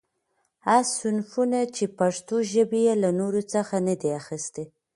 غه صنفونه، چي پښتوژبي له نورڅخه نه دي اخستي.